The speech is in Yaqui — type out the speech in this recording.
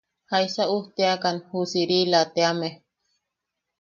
–¿Jaisa ujteakan ju Sirila teame?